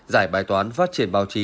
giải bài toán phát triển báo chí